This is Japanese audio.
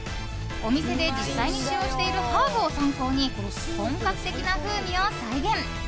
お店で実際に使用しているハーブを参考に本格的な風味を再現。